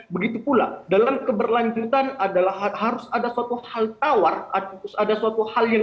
begitu pula dalam keberlanjutan adalah harus ada suatu hal tawar ada suatu hal yang